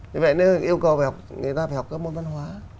như vậy nó yêu cầu người ta phải học các môn văn hóa